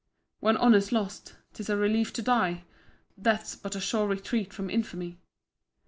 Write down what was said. When honour's lost, 'tis a relief to die: Death's but a sure retreat from infamy.